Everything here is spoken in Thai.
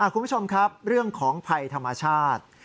คุณผู้ชมครับเรื่องของภัยธรรมชาติ